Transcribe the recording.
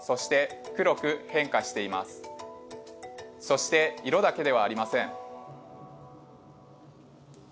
そして色だけではありません。